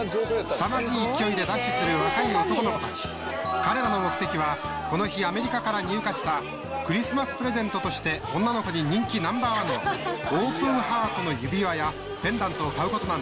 「彼らの目的はこの日アメリカから入荷したクリスマスプレゼントとして女の子に人気ナンバーワンのオープンハートの指輪やペンダントを買うことなんです」